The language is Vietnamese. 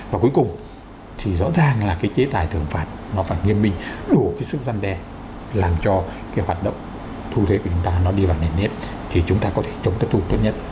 và cuối cùng thì rõ ràng là cái chế tài thưởng phạt nó phải nghiêm minh đủ cái sức gian đe làm cho cái hoạt động thu thuế của chúng ta nó đi vào nền nếp thì chúng ta có thể chống thất thu tốt nhất